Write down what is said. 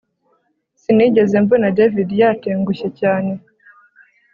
Sinigeze mbona David yatengushye cyane